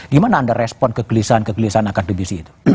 gimana anda respon kegelisahan kegelisahan akademisi itu